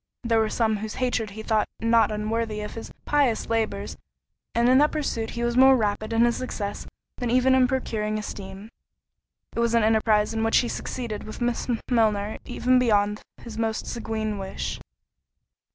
There were some whose hatred he thought not unworthy of his pious labours; and in that pursuit he was more rapid in his success than even in procuring esteem. It was an enterprise in which he succeeded with Miss Milner even beyond his most sanguine wish.